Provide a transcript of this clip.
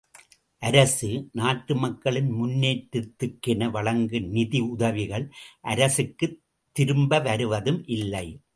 அரசு, நாட்டு மக்களின் முன்னேற்றத்துக்கென வழங்கும் நிதி உதவிகள் அரசுக்குத் திரும்ப வருவதும் இல்லை!